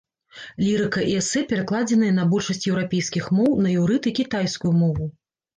Лірыка і эсэ перакладзеныя на большасць еўрапейскіх моў, на іўрыт і кітайскую мову.